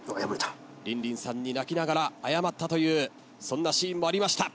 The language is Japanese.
リンリンさんに泣きながら謝ったというそんなシーンもありました。